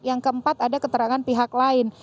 yang keempat ada keterangan pihak lain